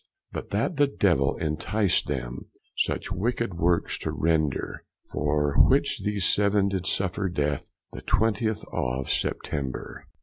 But that the Devill inticed them Such wicked woorks to render; For which these seven did suffer death, The twentith of September.